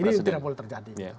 ini tidak boleh terjadi